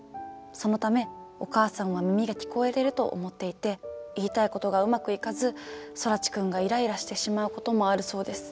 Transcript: そのためお母さんは耳が聞こえてると思っていて言いたいことがうまくいかず空知くんがイライラしてしまうこともあるそうです。